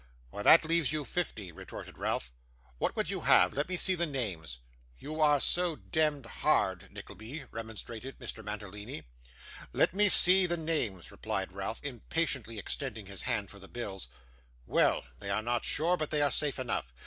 'Why, that leaves you fifty,' retorted Ralph. 'What would you have? Let me see the names.' 'You are so demd hard, Nickleby,' remonstrated Mr. Mantalini. 'Let me see the names,' replied Ralph, impatiently extending his hand for the bills. 'Well! They are not sure, but they are safe enough.